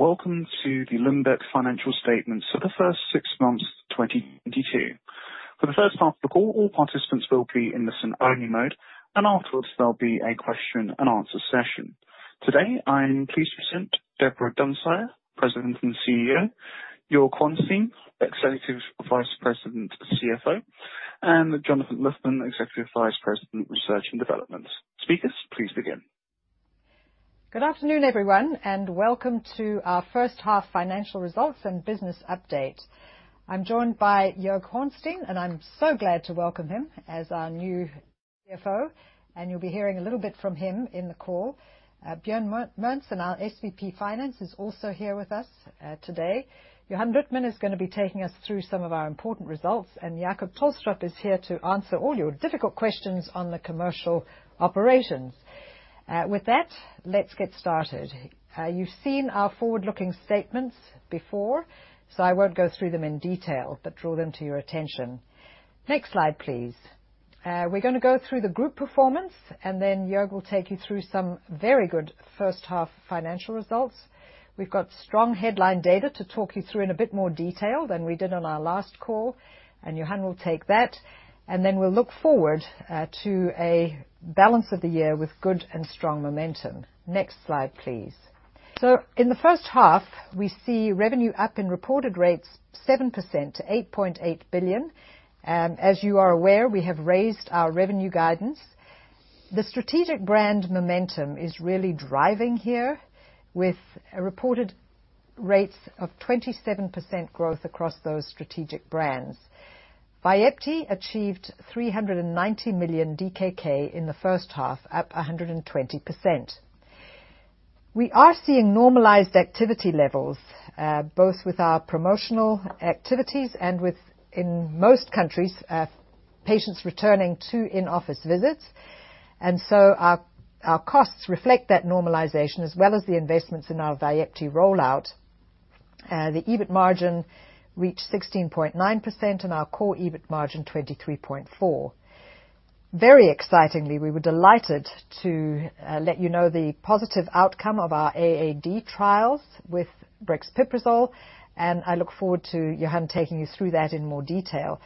Welcome to the Lundbeck financial statements for the first six months of 2022. For the first half of the call, all participants will be in listen only mode, and afterwards, there'll be a question and answer session. Today, I'm pleased to present Deborah Dunsire, President and CEO, Joerg Hornstein, Executive Vice President and CFO, and Johan Luthman, Executive Vice President, Research and Development. Speakers, please begin. Good afternoon, everyone, and welcome to our first half financial results and business update. I'm joined by Joerg Hornstein, and I'm so glad to welcome him as our new CFO, and you'll be hearing a little bit from him in the call. Bjørn Mogensen and our SVP Finance is also here with us today. Johan Luthman is going to be taking us through some of our important results, and Jacob Tolstrup is here to answer all your difficult questions on the commercial operations. With that, let's get started. You've seen our forward-looking statements before, so I won't go through them in detail, but draw them to your attention. Next slide, please. We're going to go through the group performance, and then Joerg will take you through some very good first half financial results. We've got strong headline data to talk you through in a bit more detail than we did on our last call, and Johan will take that. Then we'll look forward to a balance of the year with good and strong momentum. Next slide, please. In the first half, we see revenue up in reported rates 7% to 8.8 billion. As you are aware, we have raised our revenue guidance. The strategic brand momentum is really driving here with reported rates of 27% growth across those strategic brands. Vyepti achieved 390 million DKK in the first half, up 120%. We are seeing normalized activity levels both with our promotional activities and with, in most countries, patients returning to in-office visits. Our costs reflect that normalization as well as the investments in our Vyepti rollout. The EBITDA margin reached 16.9% and our core EBITDA margin 23.4%. Very excitingly, we were delighted to let you know the positive outcome of our AAD trials with brexpiprazole, and I look forward to Johan taking you through that in more detail.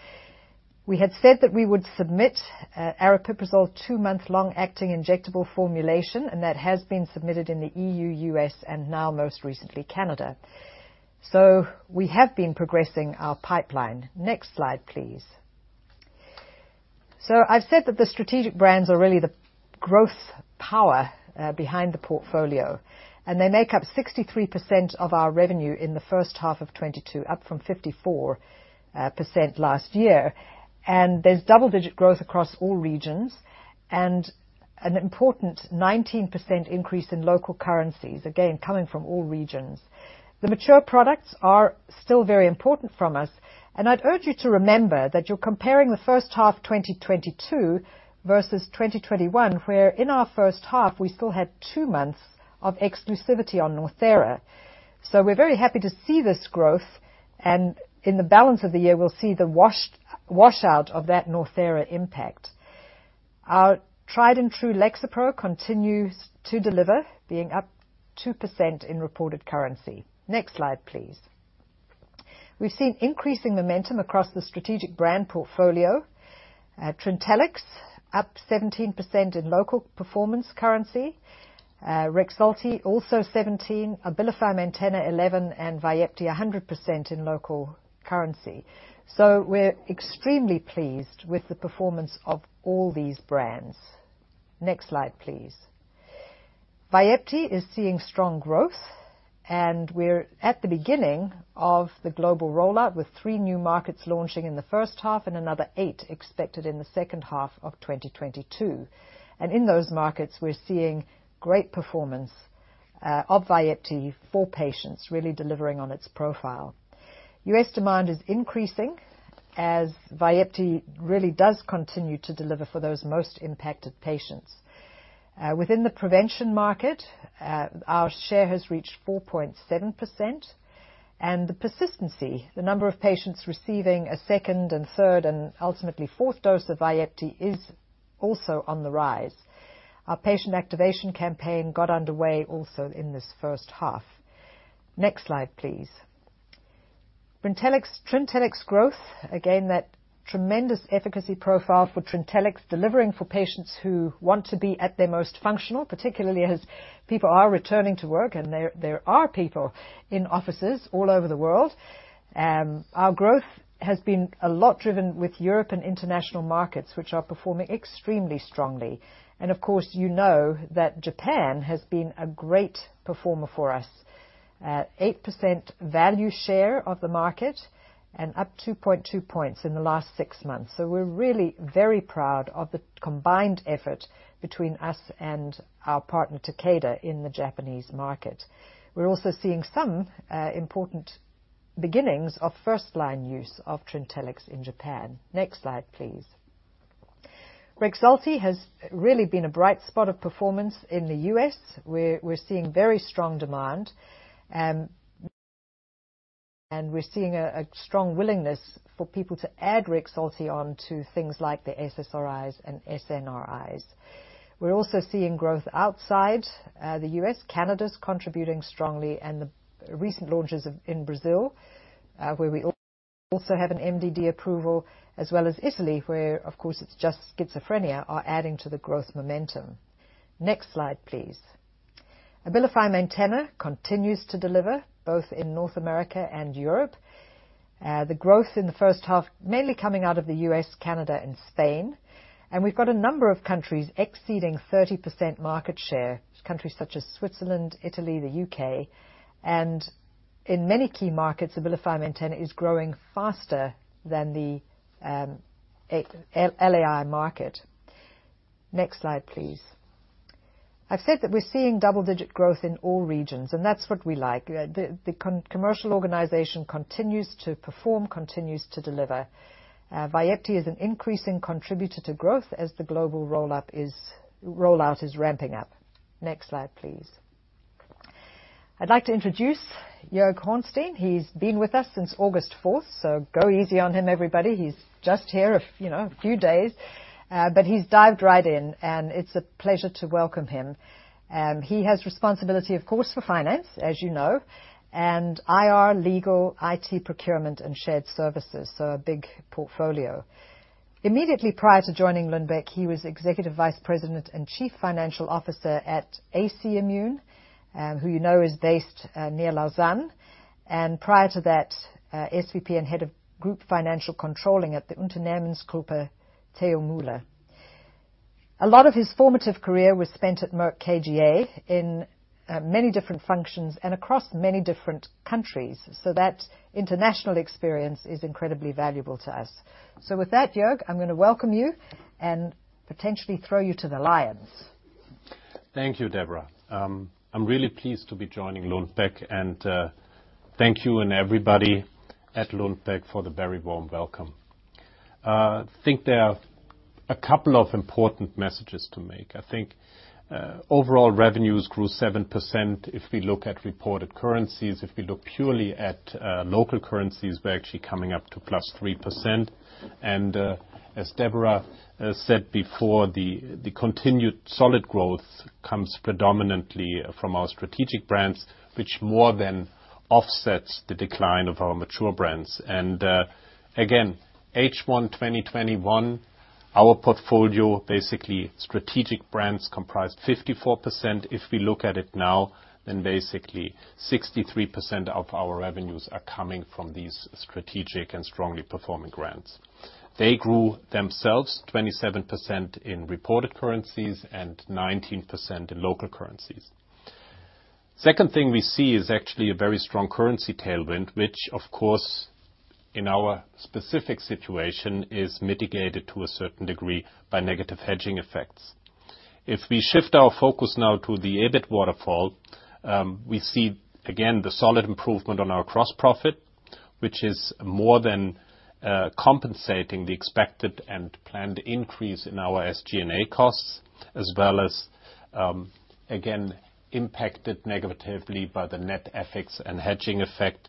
We had said that we would submit aripiprazole two-month long acting injectable formulation, and that has been submitted in the EU, U.S., and now most recently, Canada. We have been progressing our pipeline. Next slide, please. I've said that the strategic brands are really the growth power behind the portfolio, and they make up 63% of our revenue in the first half of 2022, up from 54% last year. There's double-digit growth across all regions and an important 19% increase in local currencies, again, coming from all regions. The mature products are still very important for us. I'd urge you to remember that you're comparing the first half 2022 versus 2021, where in our first half, we still had two months of exclusivity on Northera. We're very happy to see this growth. In the balance of the year, we'll see the washout of that Northera impact. Our tried and true Lexapro continues to deliver, being up 2% in reported currency. Next slide, please. We've seen increasing momentum across the strategic brand portfolio. Trintellix up 17% in local performance currency. Rexulti also 17%. Abilify Maintena 11% and Vyepti 100% in local currency. We're extremely pleased with the performance of all these brands. Next slide, please. Vyepti is seeing strong growth, and we're at the beginning of the global rollout with three new markets launching in the first half and another eight expected in the second half of 2022. In those markets, we're seeing great performance of Vyepti for patients really delivering on its profile. U.S. demand is increasing as Vyepti really does continue to deliver for those most impacted patients. Within the prevention market, our share has reached 4.7%, and the persistency, the number of patients receiving a second and third and ultimately fourth dose of Vyepti is also on the rise. Our patient activation campaign got underway also in this first half. Next slide, please. Brintellix, Trintellix growth. Again, that tremendous efficacy profile for Trintellix, delivering for patients who want to be at their most functional, particularly as people are returning to work and there are people in offices all over the world. Our growth has been a lot driven with Europe and international markets, which are performing extremely strongly. Of course, you know that Japan has been a great performer for us. 8% value share of the market and up 2.2 points in the last six months. We're really very proud of the combined effort between us and our partner, Takeda, in the Japanese market. We're also seeing some important beginnings of first line use of Trintellix in Japan. Next slide, please. Rexulti has really been a bright spot of performance in the U.S.. We're seeing very strong demand. We're seeing a strong willingness for people to add Rexulti on to things like the SSRIs and SNRIs. We're also seeing growth outside the U.S. Canada's contributing strongly, and the recent launches in Brazil, where we also have an MDD approval, as well as Italy, where, of course, it's just schizophrenia, are adding to the growth momentum. Next slide, please. Abilify Maintena continues to deliver both in North America and Europe. The growth in the first half mainly coming out of the U.S., Canada, and Spain. We've got a number of countries exceeding 30% market share, countries such as Switzerland, Italy, the U.K. In many key markets, Abilify Maintena is growing faster than the aripiprazole LAI market. Next slide, please. I've said that we're seeing double-digit growth in all regions, and that's what we like. The commercial organization continues to perform, continues to deliver. Vyepti is an increasing contributor to growth as the global rollout is ramping up. Next slide, please. I'd like to introduce Joerg Hornstein. He's been with us since August fourth, so go easy on him, everybody. He's just here, you know, a few days. But he's dived right in, and it's a pleasure to welcome him. He has responsibility, of course, for finance, as you know, and IR, legal, IT procurement, and shared services, so a big portfolio. Immediately prior to joining Lundbeck, he was Executive Vice President and Chief Financial Officer at AC Immune, who you know is based near Lausanne. Prior to that, SVP and Head of Group Financial Controlling at the Unternehmensgruppe Theo Müller. A lot of his formative career was spent at Merck KGaA in many different functions and across many different countries, so that international experience is incredibly valuable to us. With that, Joerg, I'm gonna welcome you and potentially throw you to the lions. Thank you, Deborah. I'm really pleased to be joining Lundbeck, and thank you and everybody at Lundbeck for the very warm welcome. I think there are a couple of important messages to make. I think overall revenues grew 7% if we look at reported currencies. If we look purely at local currencies, we're actually coming up to +3%. As Deborah said before, the continued solid growth comes predominantly from our strategic brands, which more than offsets the decline of our mature brands. Again, H1 2021, our portfolio, basically strategic brands comprised 54%. If we look at it now, then basically 63% of our revenues are coming from these strategic and strongly performing brands. They grew themselves 27% in reported currencies and 19% in local currencies. Second thing we see is actually a very strong currency tailwind, which of course in our specific situation is mitigated to a certain degree by negative hedging effects. If we shift our focus now to the EBITDA waterfall, we see again the solid improvement on our gross profit, which is more than compensating the expected and planned increase in our SG&A costs, as well as, again, impacted negatively by the net FX and hedging effect.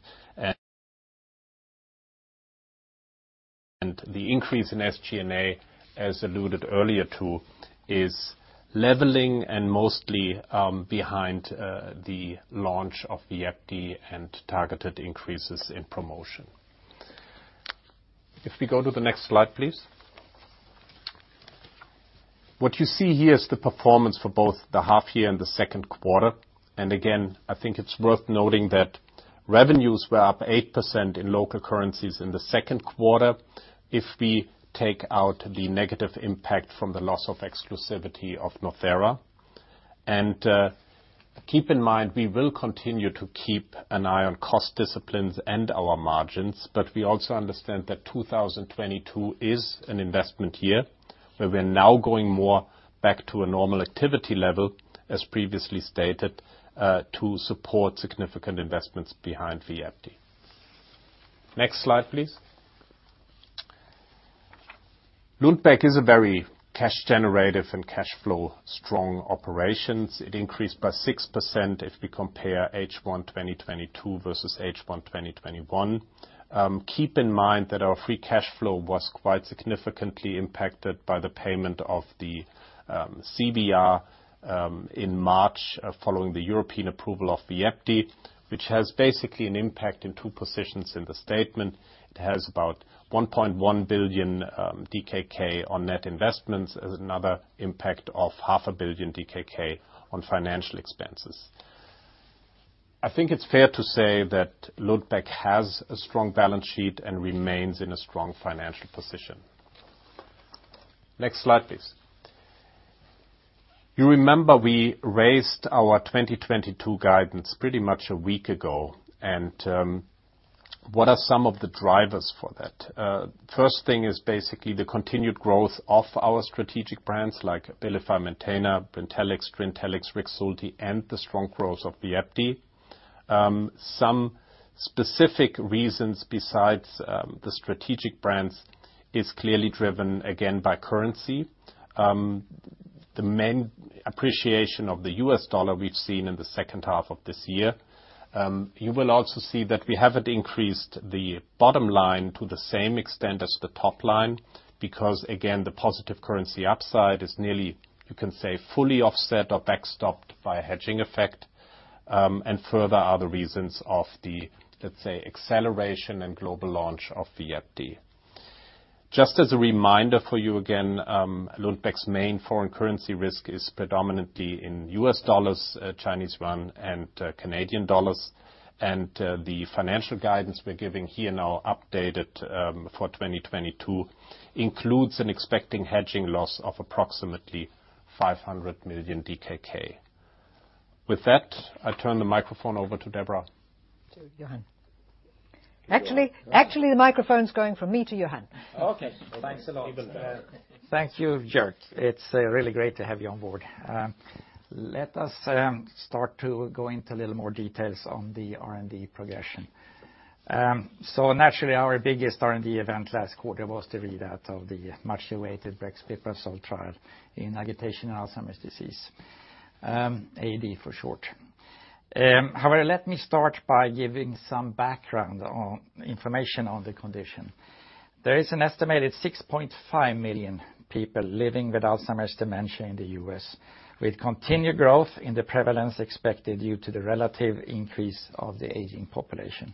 The increase in SG&A, as alluded earlier to, is leveling and mostly behind the launch of Vyepti and targeted increases in promotion. If we go to the next slide, please. What you see here is the performance for both the half year and the second quarter. I think it's worth noting that revenues were up 8% in local currencies in the second quarter if we take out the negative impact from the loss of exclusivity of Northera. Keep in mind, we will continue to keep an eye on cost disciplines and our margins, but we also understand that 2022 is an investment year, where we're now going more back to a normal activity level, as previously stated, to support significant investments behind Vyepti. Next slide, please. Lundbeck is a very cash generative and cash flow strong operations. It increased by 6% if we compare H1 2022 versus H1 2021. Keep in mind that our free cash flow was quite significantly impacted by the payment of the, CVR, in March following the European approval of Vyepti, which has basically an impact in two positions in the statement. It has about 1.1 billion DKK on net investments, as another impact of half a billion DKK on financial expenses. I think it's fair to say that Lundbeck has a strong balance sheet and remains in a strong financial position. Next slide, please. You remember we raised our 2022 guidance pretty much a week ago, and what are some of the drivers for that? First thing is basically the continued growth of our strategic brands like Abilify Maintena, Brintellix, Rexulti, and the strong growth of Vyepti. Some specific reasons besides the strategic brands is clearly driven again by currency. The main appreciation of the U.S. dollar we've seen in the second half of this year. You will also see that we haven't increased the bottom line to the same extent as the top line because, again, the positive currency upside is nearly, you can say, fully offset or backstopped by a hedging effect, and further other reasons of the, let's say, acceleration and global launch of the Vyepti. Just as a reminder for you again, Lundbeck's main foreign currency risk is predominantly in US dollars, Chinese yuan, and Canadian dollars. The financial guidance we're giving here now updated, for 2022 includes an expected hedging loss of approximately 500 million DKK. With that, I turn the microphone over to Deborah. To Johan. Actually, the microphone is going from me to Johan. Okay, thanks a lot. Thank you, Joerg. It's really great to have you on board. Let us start to go into a little more details on the R&D progression. Naturally, our biggest R&D event last quarter was the readout of the much-awaited brexpiprazole trial in agitation Alzheimer's disease, AD for short. However, let me start by giving some background information on the condition. There is an estimated 6.5 million people living with Alzheimer's dementia in the U.S., with continued growth in the prevalence expected due to the relative increase of the aging population.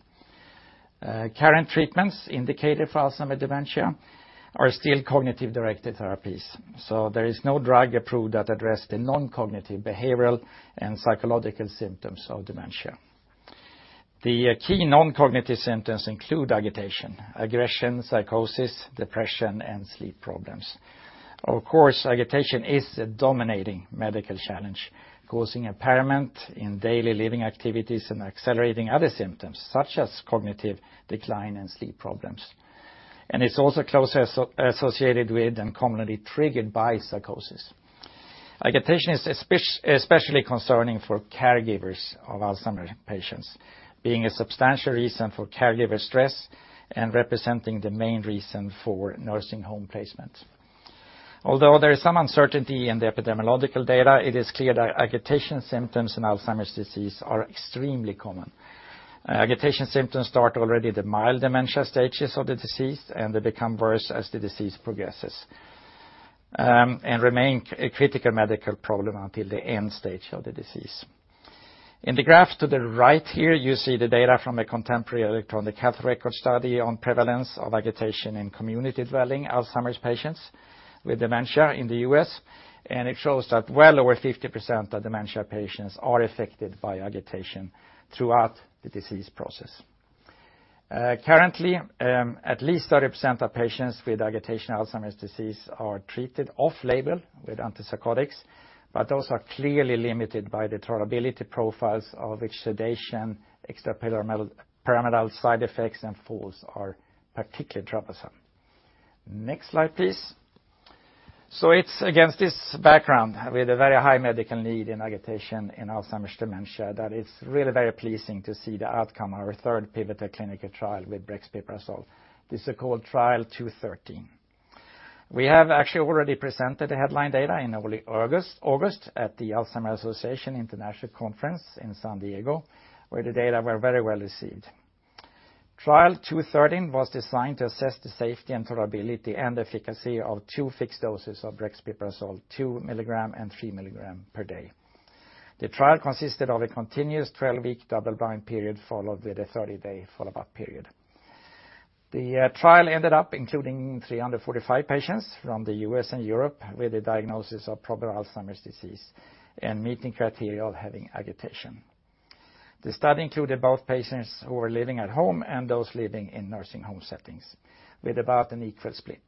Current treatments indicated for Alzheimer's dementia are still cognitive-directed therapies, so there is no drug approved that address the non-cognitive behavioral and psychological symptoms of dementia. The key non-cognitive symptoms include agitation, aggression, psychosis, depression, and sleep problems. Of course, agitation is a dominating medical challenge, causing impairment in daily living activities and accelerating other symptoms such as cognitive decline and sleep problems. It's also closely associated with and commonly triggered by psychosis. Agitation is especially concerning for caregivers of Alzheimer's patients, being a substantial reason for caregiver stress and representing the main reason for nursing home placement. Although there is some uncertainty in the epidemiological data, it is clear that agitation symptoms in Alzheimer's disease are extremely common. Agitation symptoms start already the mild dementia stages of the disease, and they become worse as the disease progresses, and remain a critical medical problem until the end stage of the disease. In the graph to the right here, you see the data from a contemporary electronic health record study on prevalence of agitation in community-dwelling Alzheimer's patients with dementia in the U.S.. It shows that well over 50% of dementia patients are affected by agitation throughout the disease process. Currently, at least 30% of patients with agitation Alzheimer's disease are treated off-label with antipsychotics, but those are clearly limited by the tolerability profiles of which sedation, extrapyramidal side effects, and falls are particularly troublesome. Next slide, please. It's against this background with a very high medical need in agitation in Alzheimer's dementia that it's really very pleasing to see the outcome of our third pivotal clinical trial with brexpiprazole. This is called Trial 213. We have actually already presented the headline data in early August at the Alzheimer's Association International Conference in San Diego, where the data were very well-received. Trial 213 was designed to assess the safety and tolerability and efficacy of two fixed doses of brexpiprazole, 2 mg and 3 mg per day. The trial consisted of a continuous 12-week double-blind period followed with a 30-day follow-up period. The trial ended up including 345 patients from the U.S. and Europe with a diagnosis of probable Alzheimer's disease and meeting criteria of having agitation. The study included both patients who were living at home and those living in nursing home settings with about an equal split.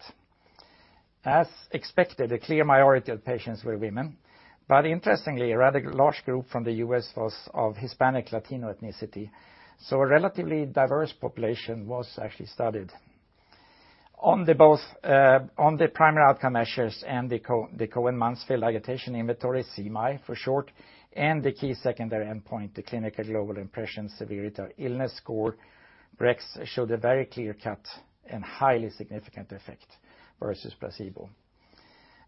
As expected, a clear minority of patients were women, but interestingly, a rather large group from the U.S. was of Hispanic Latino ethnicity, so a relatively diverse population was actually studied. On both the primary outcome measures and the Cohen-Mansfield Agitation Inventory, CMAI for short, and the key secondary endpoint, the Clinical Global Impression Severity of Illness score, brex showed a very clear cut and highly significant effect versus placebo.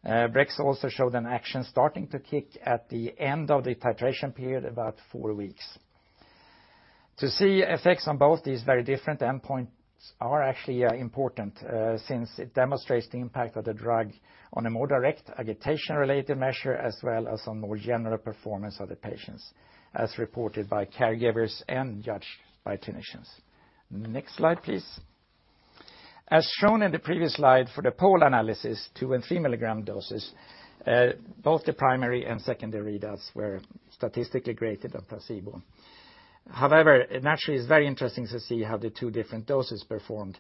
Brex also showed an action starting to kick at the end of the titration period, about four weeks. To see effects on both these very different endpoints are actually important, since it demonstrates the impact of the drug on a more direct agitation-related measure as well as on more general performance of the patients, as reported by caregivers and judged by clinicians. Next slide, please. As shown in the previous slide for the pooled analysis, 2 mg and 3 mg doses, both the primary and secondary readouts were statistically greater than placebo. However, naturally, it's very interesting to see how the two different doses performed,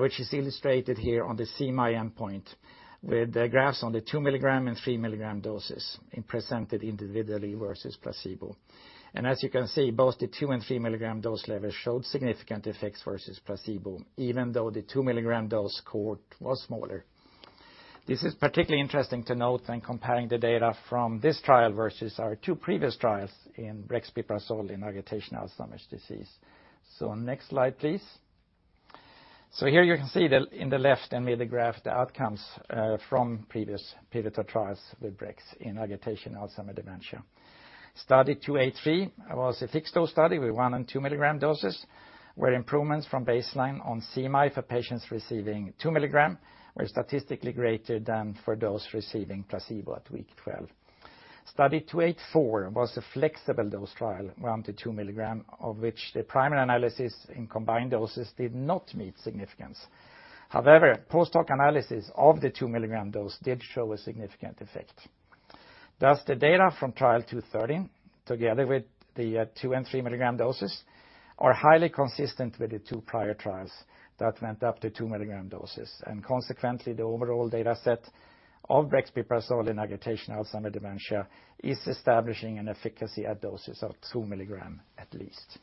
which is illustrated here on the CMAI endpoint with the graphs on the 2 mg and 3 mg doses and presented individually versus placebo. As you can see, both the 2-mg and 3-mg dose levels showed significant effects versus placebo, even though the 2 mg dose score was smaller. This is particularly interesting to note when comparing the data from this trial versus our two previous trials with brexpiprazole in agitation Alzheimer's disease. Next slide, please. Here you can see, in the left-hand graph, the outcomes from previous pivotal trials with Brex in agitation Alzheimer's dementia. Study 283 was a fixed-dose study with 1-mg and 2-mg doses, where improvements from baseline on CMAI for patients receiving 2 mg were statistically greater than for those receiving placebo at week 12. Study 284 was a flexible-dose trial, 1-mg to 2-mg, of which the primary analysis in combined doses did not meet significance. However, post-hoc analysis of the 2-mg dose did show a significant effect. Thus, the data from Trial 213 together with the 2-mg and 3-mg doses are highly consistent with the two prior trials that went up to 2-mg doses. Consequently, the overall data set of brexpiprazole in agitation Alzheimer's dementia is establishing an efficacy at doses of 2 mg at least.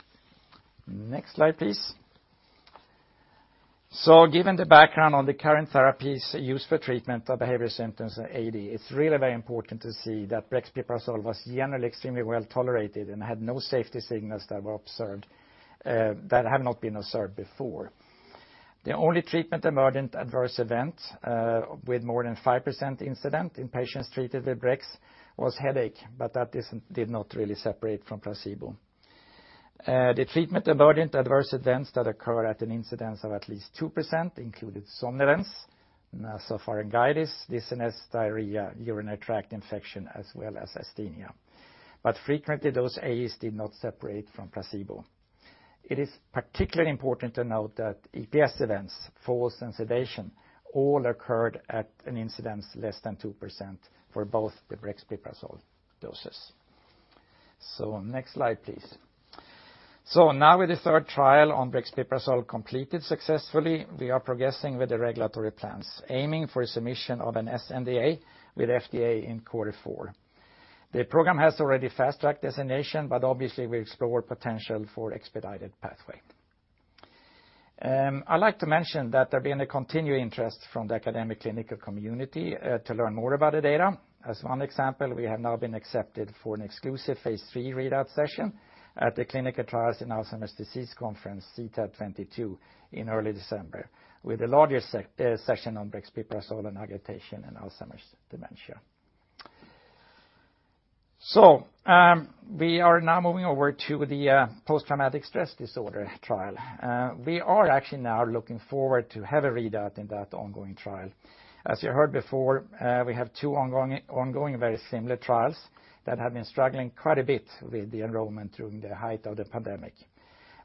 Next slide, please. Given the background on the current therapies used for treatment of behavior symptoms in AD, it's really very important to see that brexpiprazole was generally extremely well-tolerated and had no safety signals that have not been observed before. The only treatment-emergent adverse event with more than 5% incidence in patients treated with Brex was headache, but that did not really separate from placebo. The treatment-emergent adverse events that occur at an incidence of at least 2% included somnolence, nasopharyngitis, dizziness, diarrhea, urinary tract infection, as well as asthenia. But frequently, those AEs did not separate from placebo. It is particularly important to note that EPS events, falls, and sedation all occurred at an incidence less than 2% for both the brexpiprazole doses. Next slide, please. Now with the third trial on brexpiprazole completed successfully, we are progressing with the regulatory plans, aiming for submission of an sNDA with FDA in quarter four. The program has already Fast Track designation, but obviously we explore potential for expedited pathway. I'd like to mention that there's been a continued interest from the academic clinical community to learn more about the data. As one example, we have now been accepted for an exclusive phase three readout session at the Clinical Trials on Alzheimer's Disease Conference, CTAD 2022, in early December with a larger session on brexpiprazole and agitation in Alzheimer's dementia. We are now moving over to the post-traumatic stress disorder trial. We are actually now looking forward to have a readout in that ongoing trial. As you heard before, we have two ongoing very similar trials that have been struggling quite a bit with the enrollment during the height of the pandemic.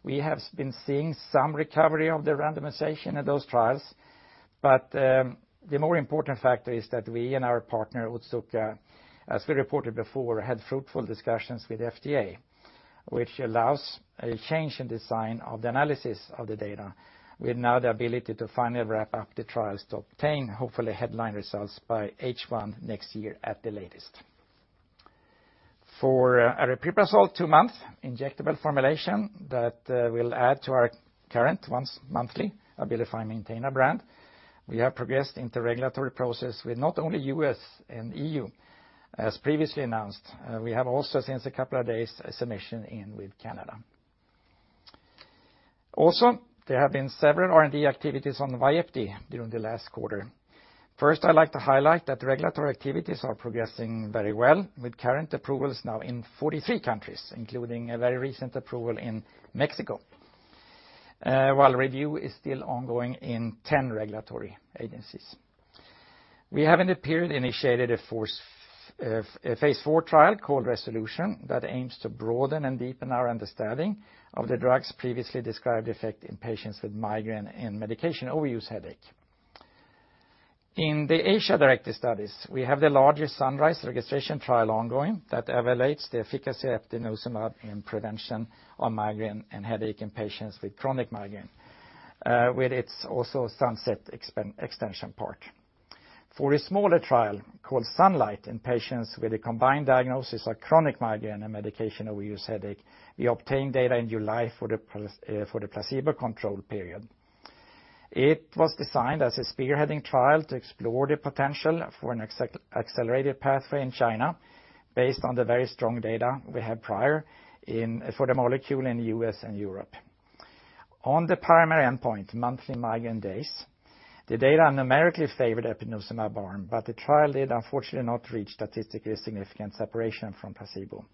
We have been seeing some recovery of the randomization of those trials, but the more important factor is that we and our partner, Otsuka, as we reported before, had fruitful discussions with FDA, which allows a change in design of the analysis of the data. We have now the ability to finally wrap up the trials to obtain hopefully headline results by H1 next year at the latest. For aripiprazole two-month injectable formulation that will add to our current once monthly Abilify Maintena brand, we have progressed into regulatory process with not only U.S. and EU as previously announced. We have also since a couple of days a submission in with Canada. There have been several R&D activities on Vyepti during the last quarter. First, I'd like to highlight that regulatory activities are progressing very well with current approvals now in 43 countries, including a very recent approval in Mexico, while review is still ongoing in 10 regulatory agencies. We have in the period initiated a phase IV trial called Resolution that aims to broaden and deepen our understanding of the drug's previously described effect in patients with migraine and medication overuse headache. In the Asia-directed studies, we have the largest SUNRISE registration trial ongoing that evaluates the efficacy of eptinezumab in prevention of migraine and headache in patients with chronic migraine, with its also SUNSET extension part. For a smaller trial called SUNLIGHT in patients with a combined diagnosis of chronic migraine and medication overuse headache, we obtained data in July for the placebo control period. It was designed as a spearheading trial to explore the potential for an accelerated pathway in China based on the very strong data we had prior for the molecule in U.S. and Europe. On the primary endpoint, monthly migraine days, the data numerically favored eptinezumab arm, but the trial did unfortunately not reach statistically significant separation from placebo.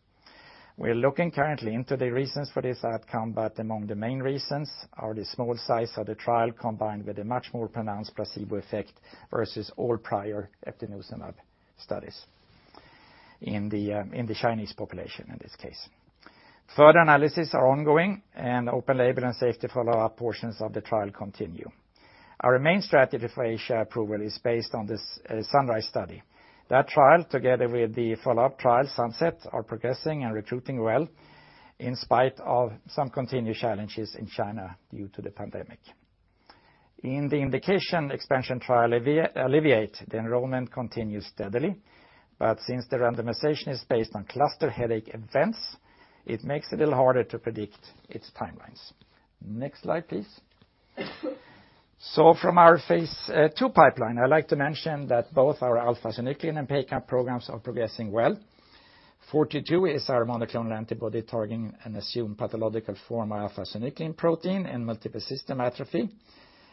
We're looking currently into the reasons for this outcome, but among the main reasons are the small size of the trial combined with a much more pronounced placebo effect versus all prior eptinezumab studies in the Chinese population in this case. Further analyses are ongoing, and open label and safety follow-up portions of the trial continue. Our main strategy for Asia approval is based on this SUNRISE study. That trial, together with the follow-up trial, SUNSET, are progressing and recruiting well in spite of some continued challenges in China due to the pandemic. In the indication expansion trial Alleviate, the enrollment continues steadily, but since the randomization is based on cluster headache events, it makes it a little harder to predict its timelines. Next slide, please. From our phase two pipeline, I'd like to mention that both our alpha-synuclein and PACAP programs are progressing well. Lu AF82422 is our monoclonal antibody targeting an assumed pathological form of alpha-synuclein protein in multiple system atrophy.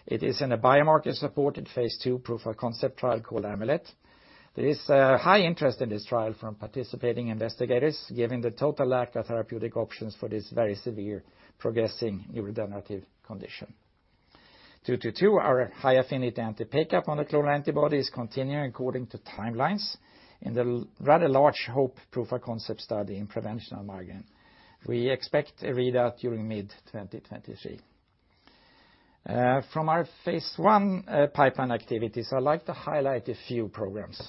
It is in a biomarker-supported phase two proof of concept trial called AMULET. There is a high interest in this trial from participating investigators, given the total lack of therapeutic options for this very severe progressing neurodegenerative condition. Lu AG09222, our high affinity anti-PACAP monoclonal antibody is continuing according to timelines in the rather large HOPE proof of concept study in prevention of migraine. We expect a readout during mid-2023. From our phase I pipeline activities, I'd like to highlight a few programs.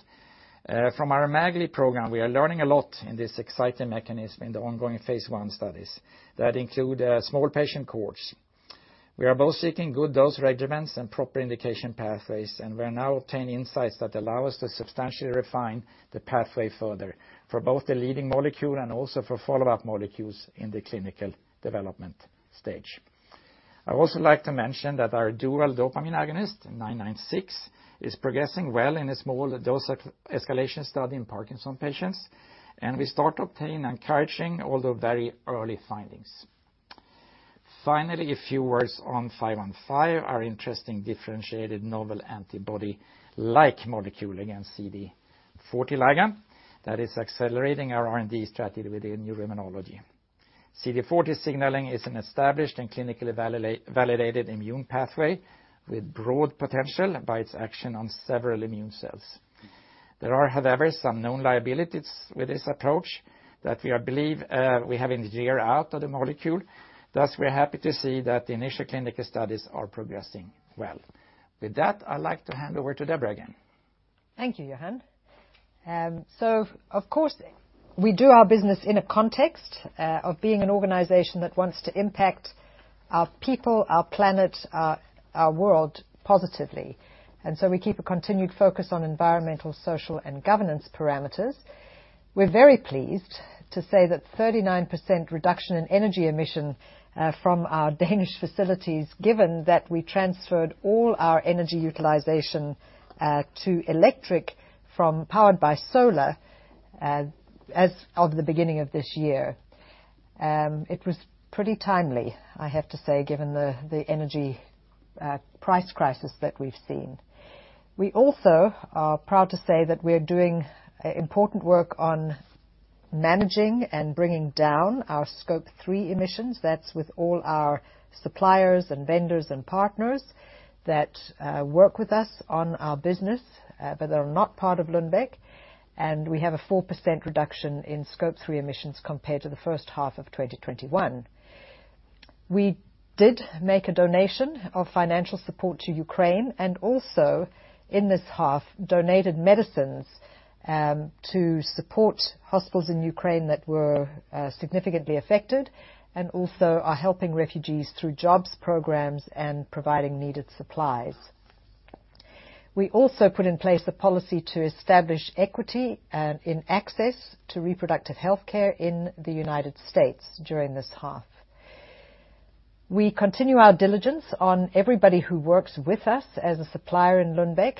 From our MAGLI program, we are learning a lot in this exciting mechanism in the ongoing phase I studies that include small patient cohorts. We are both seeking good dose regimens and proper indication pathways, and we're now obtaining insights that allow us to substantially refine the pathway further for both the leading molecule and also for follow-up molecules in the clinical development stage. I'd also like to mention that our dual dopamine agonist, nine nine six, is progressing well in a small dose escalation study in Parkinson's patients, and we start obtaining encouraging although very early findings. Finally, a few words on five one five, our interesting differentiated novel antibody-like molecule against CD40 Ligand that is accelerating our R&D strategy within neuroimmunology. CD40 signaling is an established and clinically validated immune pathway with broad potential by its action on several immune cells. There are, however, some known liabilities with this approach that we believe we have engineered out of the molecule. Thus, we are happy to see that the initial clinical studies are progressing well. With that, I'd like to hand over to Deborah again. Thank you, Johan. Of course, we do our business in a context of being an organization that wants to impact our people, our planet, our world positively. We keep a continued focus on environmental, social, and governance parameters. We're very pleased to say that 39% reduction in energy emission from our Danish facilities, given that we transferred all our energy utilization to electricity powered by solar as of the beginning of this year. It was pretty timely, I have to say, given the energy price crisis that we've seen. We also are proud to say that we're doing important work on managing and bringing down our Scope 3 emissions. That's with all our suppliers and vendors and partners that work with us on our business, but they're not part of Lundbeck, and we have a 4% reduction in scope three emissions compared to the first half of 2021. We did make a donation of financial support to Ukraine and also in this half, donated medicines to support hospitals in Ukraine that were significantly affected, and also are helping refugees through jobs, programs, and providing needed supplies. We also put in place a policy to establish equity in access to reproductive health care in the United States during this half. We continue our diligence on everybody who works with us as a supplier in Lundbeck,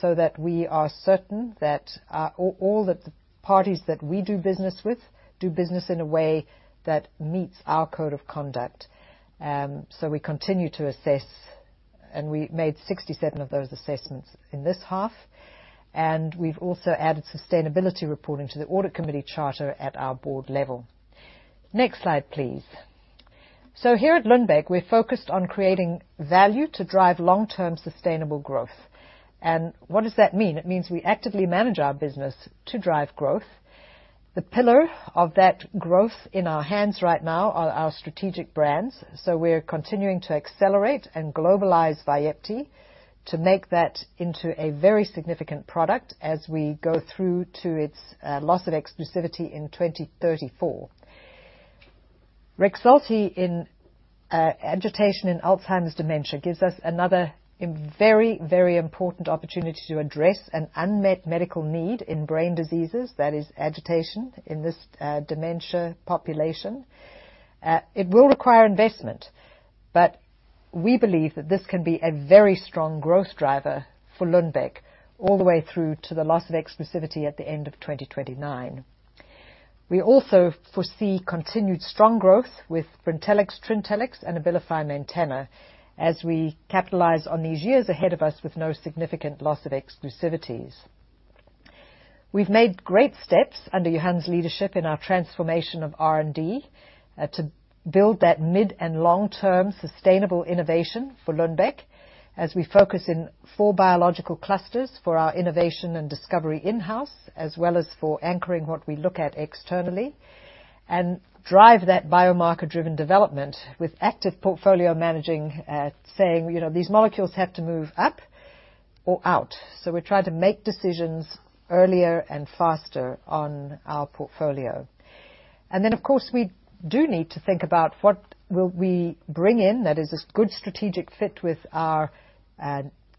so that we are certain that all the parties that we do business with do business in a way that meets our code of conduct. We continue to assess, and we made 67 of those assessments in this half, and we've also added sustainability reporting to the audit committee charter at our board level. Next slide, please. Here at Lundbeck, we're focused on creating value to drive long-term sustainable growth. What does that mean? It means we actively manage our business to drive growth. The pillar of that growth in our hands right now are our strategic brands. We're continuing to accelerate and globalize Vyepti to make that into a very significant product as we go through to its loss of exclusivity in 2034. Rexulti in agitation in Alzheimer's dementia gives us another and very, very important opportunity to address an unmet medical need in brain diseases, that is agitation in this dementia population. It will require investment, but we believe that this can be a very strong growth driver for Lundbeck all the way through to the loss of exclusivity at the end of 2029. We also foresee continued strong growth with Brintellix, Trintellix, and Abilify Maintena as we capitalize on these years ahead of us with no significant loss of exclusivities. We've made great steps under Johan's leadership in our transformation of R&D to build that mid and long-term sustainable innovation for Lundbeck as we focus in four biological clusters for our innovation and discovery in-house, as well as for anchoring what we look at externally and drive that biomarker-driven development with active portfolio managing, saying, you know, these molecules have to move up or out. We try to make decisions earlier and faster on our portfolio. Of course, we do need to think about what will we bring in that is a good strategic fit with our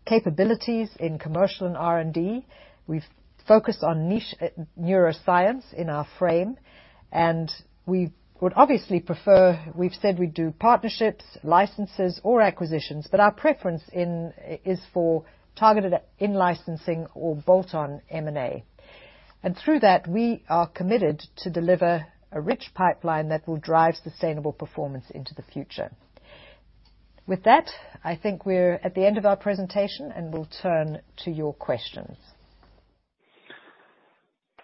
capabilities in commercial and R&D. We've focused on niche neuroscience in our frame. We would obviously prefer, we've said we'd do partnerships, licenses or acquisitions, but our preference in is for targeted in-licensing or bolt-on M&A. Through that, we are committed to deliver a rich pipeline that will drive sustainable performance into the future. With that, I think we're at the end of our presentation, and we'll turn to your questions.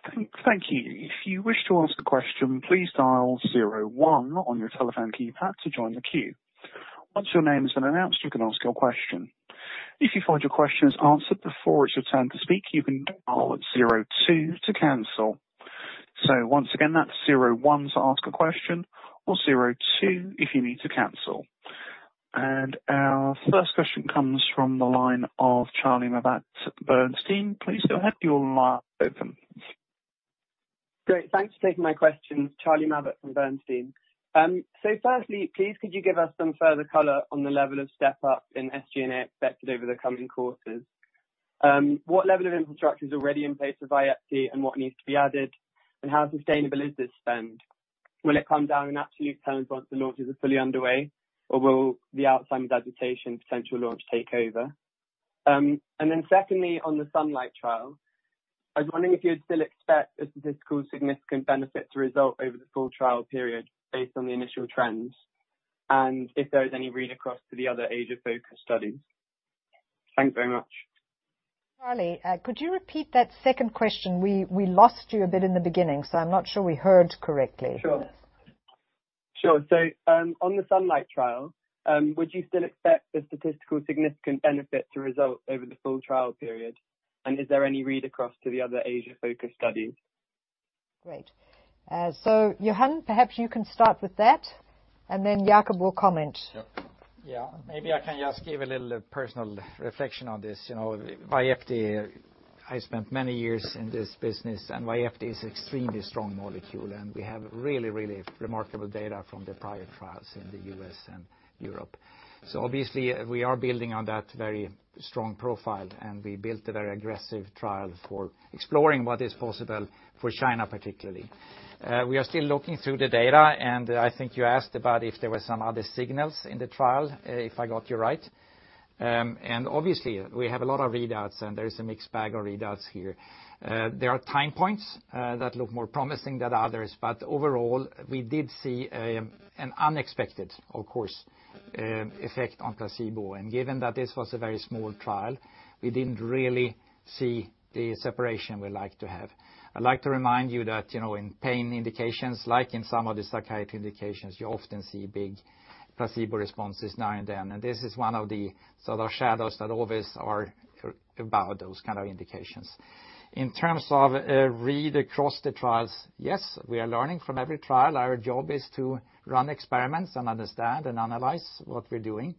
Thank you. If you wish to ask a question, please dial zero one on your telephone keypad to join the queue. Once your name has been announced, you can ask your question. If you find your question is answered before it's your turn to speak, you can dial zero two to cancel. Once again, that's zero one to ask a question or zero two if you need to cancel. Our first question comes from the line of Charlie Mabbutt at Bernstein. Please go ahead. Your line is open. Great. Thanks for taking my question. Charlie Mabbutt from Bernstein. Firstly, please, could you give us some further color on the level of step up in SG&A expected over the coming quarters? What level of infrastructure is already in place for Vyepti, and what needs to be added? How sustainable is this spend? Will it come down in absolute terms once the launches are fully underway, or will the Alzheimer's agitation potential launch take over? Secondly, on the SUNLIGHT trial, I was wondering if you'd still expect a statistically significant benefit to result over the full trial period based on the initial trends, and if there is any read across to the other Asia-focused studies. Thanks very much. Charlie, could you repeat that second question? We lost you a bit in the beginning, so I'm not sure we heard correctly. Sure. On the SUNLIGHT trial, would you still expect the statistically significant benefit to result over the full trial period? Is there any read across to the other Asia-focused studies? Great. Johan, perhaps you can start with that, and then Jacob will comment. Yep. Yeah. Maybe I can just give a little personal reflection on this. You know, Vyepti, I spent many years in this business, and Vyepti is extremely strong molecule, and we have really, really remarkable data from the prior trials in the U.S. and Europe. Obviously, we are building on that very strong profile, and we built a very aggressive trial for exploring what is possible for China particularly. We are still looking through the data, and I think you asked about if there were some other signals in the trial, if I got you right. And obviously we have a lot of readouts and there is a mixed bag of readouts here. There are time points that look more promising than others, but overall, we did see an unexpected, of course, effect on placebo. Given that this was a very small trial, we didn't really see the separation we like to have. I'd like to remind you that, you know, in pain indications, like in some of the psychiatric indications, you often see big placebo responses now and then. This is one of the sort of shadows that always are about those kind of indications. In terms of read across the trials, yes, we are learning from every trial. Our job is to run experiments and understand and analyze what we're doing.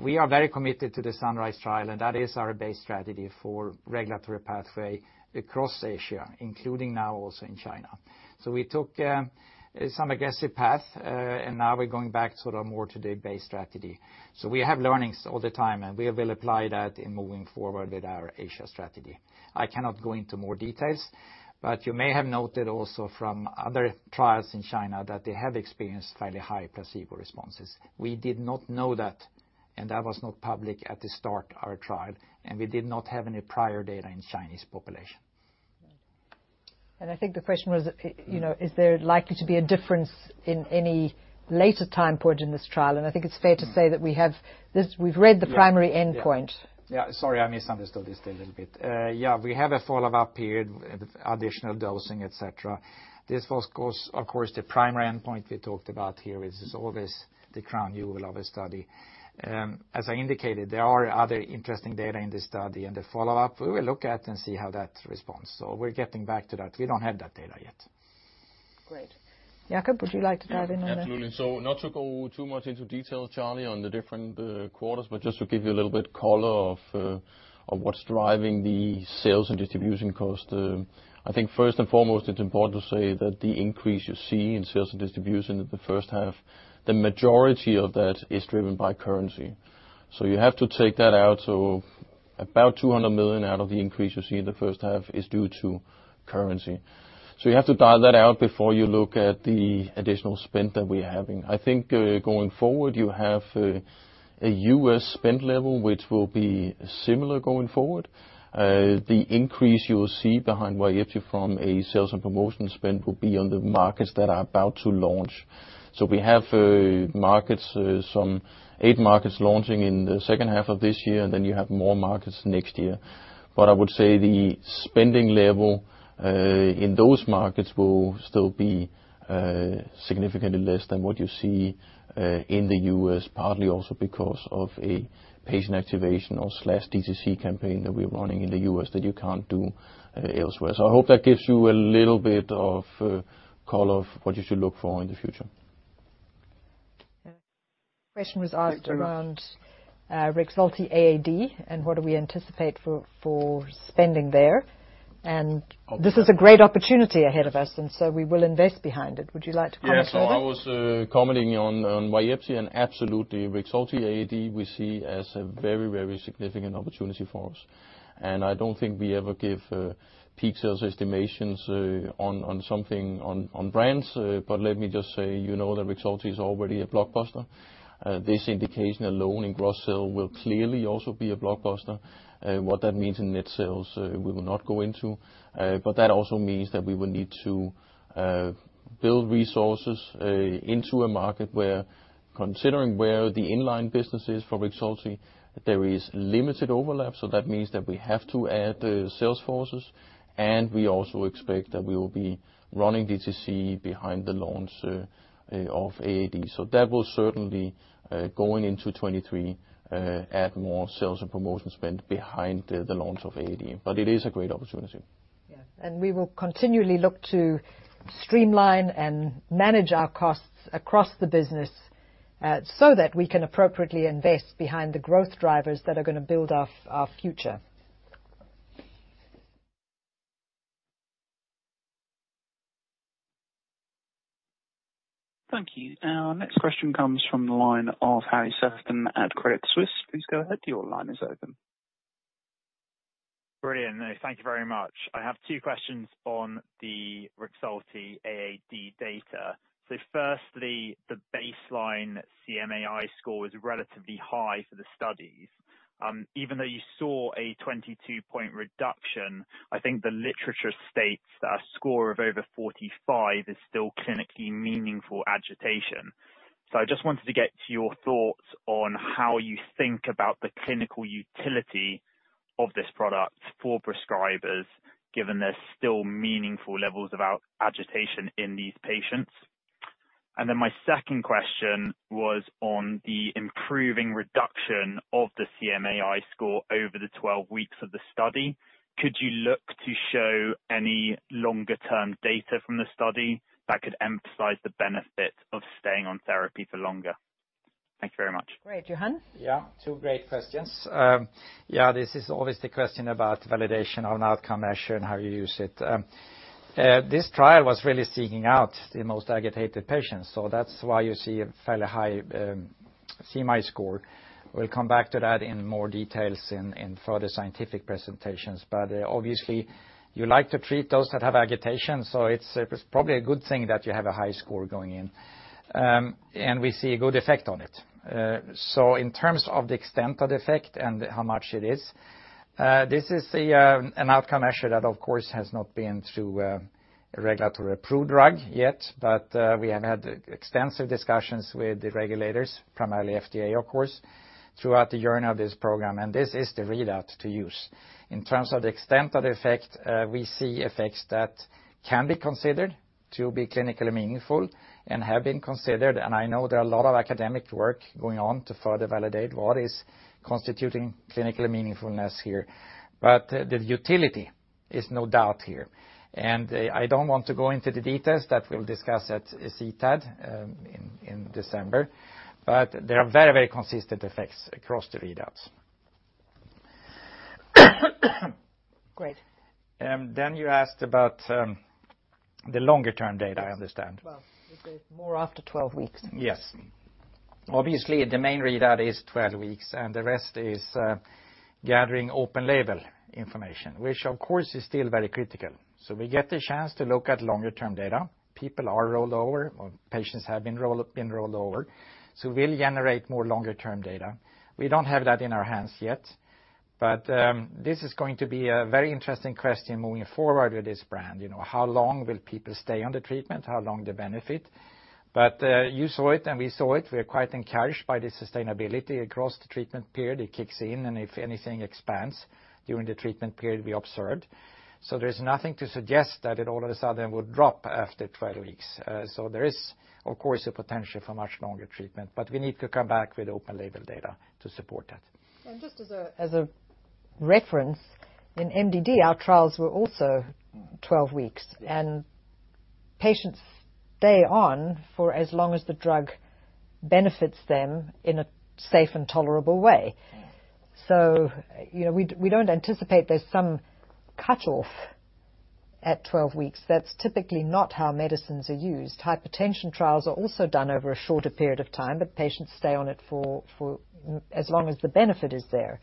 We are very committed to the SUNRISE trial, and that is our base strategy for regulatory pathway across Asia, including now also in China. We took some aggressive path, and now we're going back sort of more to the base strategy. We have learnings all the time, and we will apply that in moving forward with our Asia strategy. I cannot go into more details, but you may have noted also from other trials in China that they have experienced fairly high placebo responses. We did not know that, and that was not public at the start of our trial, and we did not have any prior data in Chinese population. I think the question was, you know, is there likely to be a difference in any later timepoint in this trial? I think it's fair to say that we have this. We've met the primary endpoint. Sorry, I misunderstood this a little bit. Yeah, we have a follow-up period, additional dosing, et cetera. This was, of course, the primary endpoint we talked about here is always the crown jewel of a study. As I indicated, there are other interesting data in this study and the follow-up. We will look at and see how that responds. We're getting back to that. We don't have that data yet. Great. Jacob, would you like to dive in on that? Yeah, absolutely. Not to go too much into detail, Charlie, on the different quarters, but just to give you a little bit of color on what's driving the sales and distribution costs. I think first and foremost, it's important to say that the increase you see in sales and distribution in the first half, the majority of that is driven by currency. You have to take that out. About 200 million out of the increase you see in the first half is due to currency. You have to dial that out before you look at the additional spend that we're having. I think going forward, you have a U.S. spend level which will be similar going forward. The increase you'll see behind Vyepti from a sales and promotion spend will be on the markets that are about to launch. We have markets, some eight markets launching in the second half of this year, and then you have more markets next year. I would say the spending level in those markets will still be significantly less than what you see in the U.S., partly also because of a patient activation or slash DTC campaign that we're running in the U.S. that you can't do elsewhere. I hope that gives you a little bit of color of what you should look for in the future. Question was asked around Rexulti AAD and what do we anticipate for spending there. This is a great opportunity ahead of us, so we will invest behind it. Would you like to comment further? Yes. I was commenting on Vyepti and absolutely Rexulti AAD we see as a very, very significant opportunity for us. I don't think we ever give peak sales estimations on brands. Let me just say, you know, that Rexulti is already a blockbuster. This indication alone in gross sales will clearly also be a blockbuster. What that means in net sales, we will not go into. That also means that we will need to build resources into a market where considering where the inline business is for Rexulti, there is limited overlap. That means that we have to add sales forces, and we also expect that we will be running DTC behind the launch of AAD. That will certainly, going into 2023, add more sales and promotion spend behind the launch of AAD. It is a great opportunity. Yeah. We will continually look to streamline and manage our costs across the business, so that we can appropriately invest behind the growth drivers that are gonna build our future. Thank you. Our next question comes from the line of Harry Sephton at Credit Suisse. Please go ahead. Your line is open. Brilliant. No, thank you very much. I have two questions on the Rexulti AAD data. Firstly, the baseline CMAI score is relatively high for the studies. Even though you saw a 22-point reduction, I think the literature states that a score of over 45 is still clinically meaningful agitation. I just wanted to get your thoughts on how you think about the clinical utility of this product for prescribers, given there's still meaningful levels of agitation in these patients. Then my second question was on the improving reduction of the CMAI score over the 12 weeks of the study. Could you look to show any longer-term data from the study that could emphasize the benefit of staying on therapy for longer? Thank you very much. Great. Johan? Yeah, two great questions. Yeah, this is always the question about validation on outcome measure and how you use it. This trial was really seeking out the most agitated patients, so that's why you see a fairly high CMAI score. We'll come back to that in more details in further scientific presentations. Obviously, you like to treat those that have agitation, so it's probably a good thing that you have a high score going in. We see a good effect on it. In terms of the extent of the effect and how much it is, this is an outcome measure that, of course, has not been through a regulatory approved drug yet. We have had extensive discussions with the regulators, primarily FDA, of course, throughout the journey of this program, and this is the readout to use. In terms of the extent of the effect, we see effects that can be considered to be clinically meaningful and have been considered. I know there are a lot of academic work going on to further validate what is constituting clinical meaningfulness here. The utility is no doubt here. I don't want to go into the details that we'll discuss at CTAD in December, but there are very, very consistent effects across the readouts. Great. You asked about the longer-term data, I understand. Well, more after 12 weeks. Yes. Obviously, the main readout is 12 weeks, and the rest is, gathering open label information, which of course is still very critical. We get the chance to look at longer-term data. People are rolled over or patients have been rolled over. We'll generate more longer-term data. We don't have that in our hands yet. This is going to be a very interesting question moving forward with this brand. You know, how long will people stay on the treatment? How long they benefit? You saw it and we saw it. We are quite encouraged by the sustainability across the treatment period. It kicks in, and if anything expands during the treatment period, we observed. There's nothing to suggest that it all of a sudden would drop after 12 weeks. There is, of course, a potential for much longer treatment, but we need to come back with open label data to support that. Just as a reference, in MDD, our trials were also 12 weeks, and patients stay on for as long as the drug benefits them in a safe and tolerable way. You know, we don't anticipate there's some cutoff at 12 weeks. That's typically not how medicines are used. Hypertension trials are also done over a shorter period of time, but patients stay on it for as long as the benefit is there.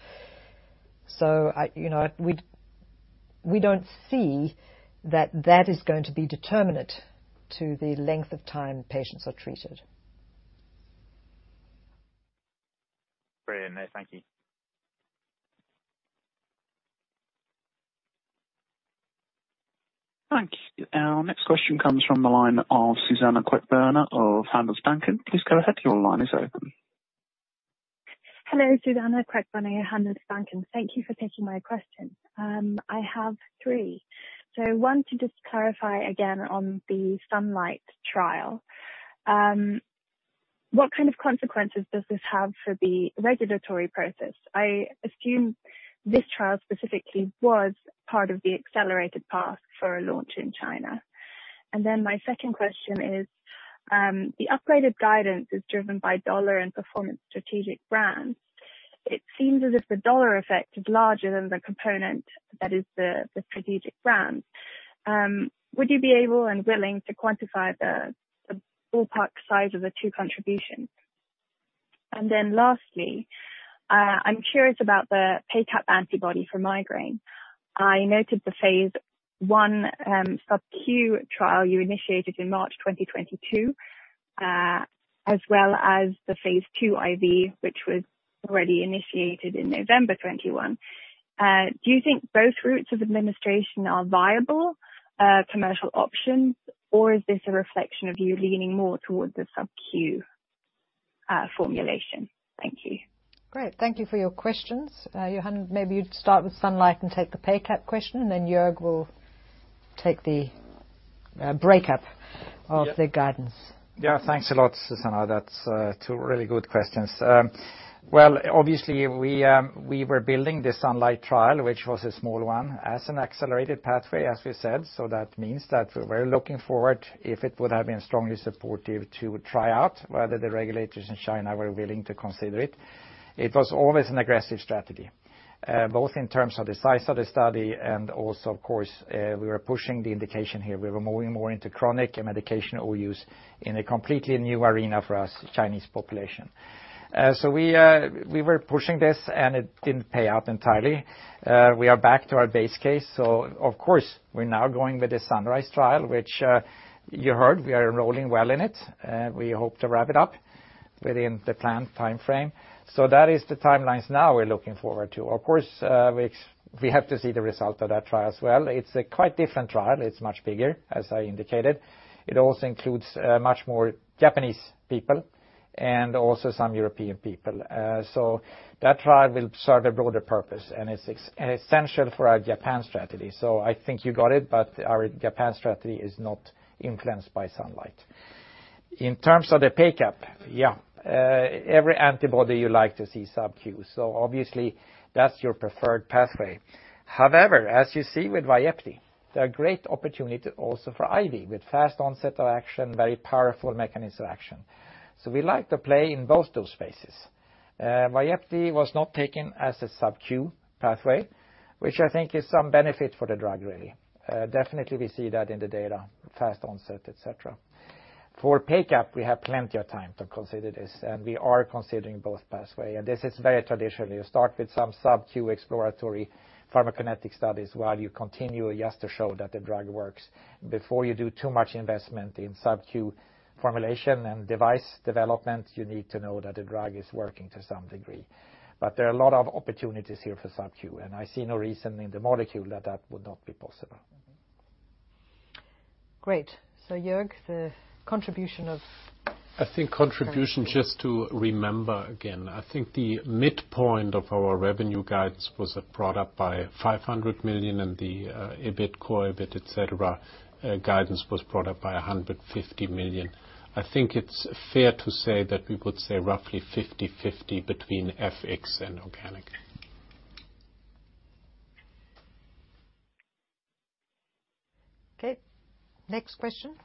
You know, we don't see that is going to be determinant to the length of time patients are treated. Brilliant. No, thank you. Thank you. Our next question comes from the line of Suzanna Queckbörner of Handelsbanken. Please go ahead. Your line is open. Hello. Suzanna Queckbörner, Handelsbanken. Thank you for taking my question. I have three. One to just clarify again on the SUNLIGHT trial. What kind of consequences does this have for the regulatory process? I assume this trial specifically was part of the accelerated path for a launch in China. My second question is, the upgraded guidance is driven by dollar and performance strategic brands. It seems as if the dollar effect is larger than the component that is the strategic brand. Would you be able and willing to quantify the ballpark size of the two contributions? Lastly, I'm curious about the PACAP antibody for migraine. I noted the phase I sub-Q trial you initiated in March 2022, as well as the phase II IV, which was already initiated in November 2021. Do you think both routes of administration are viable commercial options, or is this a reflection of you leaning more towards the sub-Q formulation? Thank you. Great. Thank you for your questions. Johan, maybe you'd start with SUNLIGHT and take the PACAP question, and then Joerg will take the breakup of the guidance. Yeah, thanks a lot, Susanna. That's two really good questions. Well, obviously, we were building the SUNLIGHT trial, which was a small one, as an accelerated pathway, as we said. That means that we're looking forward, if it would have been strongly supportive to try out whether the regulators in China were willing to consider it. It was always an aggressive strategy, both in terms of the size of the study and also, of course, we were pushing the indication here. We were moving more into chronic and medication overuse in a completely new arena for us, Chinese population. We were pushing this, and it didn't pay off entirely. We are back to our base case. Of course, we're now going with the SUNRISE trial, which you heard, we are enrolling well in it, and we hope to wrap it up within the planned timeframe. That is the timelines now we're looking forward to. Of course, we have to see the result of that trial as well. It's a quite different trial. It's much bigger, as I indicated. It also includes much more Japanese people and also some European people. That trial will serve a broader purpose, and it's essential for our Japan strategy. I think you got it, but our Japan strategy is not influenced by SUNLIGHT. In terms of the PACAP, every antibody you like to see sub-Q. Obviously, that's your preferred pathway. However, as you see with Vyepti, there are great opportunity also for IV with fast onset of action, very powerful mechanism action. We like to play in both those spaces. Vyepti was not taken as a sub-Q pathway, which I think is some benefit for the drug, really. Definitely we see that in the data, fast onset, et cetera. For PACAP, we have plenty of time to consider this, and we are considering both pathway. This is very traditional. You start with some sub-Q exploratory pharmacokinetic studies while you continue just to show that the drug works. Before you do too much investment in sub-Q formulation and device development, you need to know that the drug is working to some degree. There are a lot of opportunities here for sub-Q, and I see no reason in the molecule that that would not be possible. Great. Joerg, the contribution of- I think contribution, just to remember again, I think the midpoint of our revenue guidance was brought up by 500 million and the EBITDA, core EBITDA, et cetera, guidance was brought up by 150 million. I think it's fair to say that we could say roughly 50-50 between FX and organic. Okay. Next question.